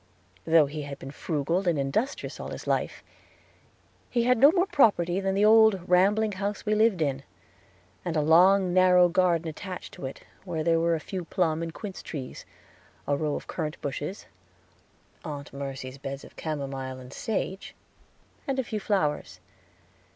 Though he had been frugal and industrious all his life, he had no more property than the old, rambling house we lived in, and a long, narrow garden attached to it, where there were a few plum and quince trees, a row of currant bushes, Aunt Mercy's beds of chamomile and sage, and a few flowers.